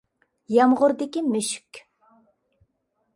يامغۇردىكى مۈشۈك